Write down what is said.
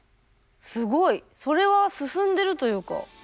すごい。それは進んでるというか。